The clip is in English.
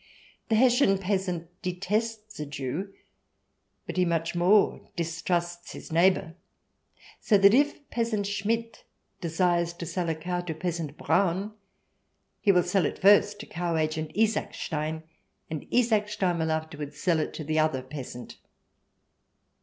The Hessian peasant detests a Jew, but he much more distrusts his neighbour. So that if peasant Schmidt desires to sell a cow to peasant Braun, he will sell it first to Cow Agent Isaacstein, and Isaacstein will afterwards sell it to the other peasant.